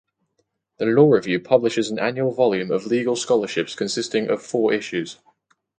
The "Law Review" publishes an annual volume of legal scholarship consisting of four issues.